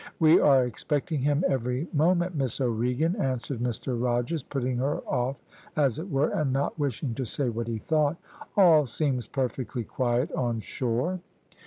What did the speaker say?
"`We are expecting him every moment, Miss O'Regan,' answered Mr Rogers, putting her off as it were, and not wishing to say what he thought. `All seems perfectly quiet on shore.'